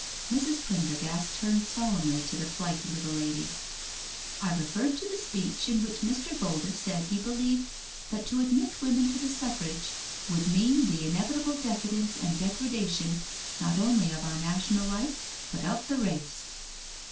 *^ Mrs. Prendergast turned solemnly to the flighty little lady: " I referred to the speech in which Mr. Boulder said he believed that to admit Women to the Suffrage would mean the inevitable decadence and degradation, not only of our national life, but of the race.